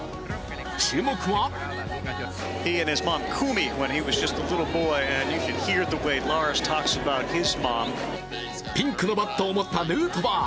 注目はピンクのバットを持ったヌートバー。